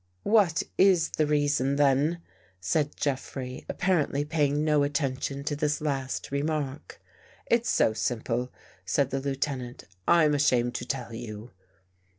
"What is the reason then? " said Jeffrey, appar ently paying no attention to this last remark. " It's so simple," said the Lieutenant, " I'm ashamed to tell you."